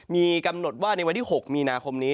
มีกำหนดว่าในวันที่๖มีนาคมนี้